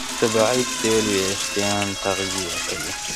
طبیعي تېل وېښتيان تغذیه کوي.